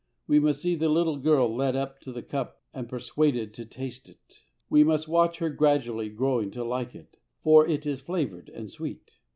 We must see the little girl led up to the cup and persuaded to taste it. We must watch her gradually growing to like it, for it is flavoured and sweet.